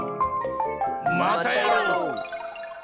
またやろう！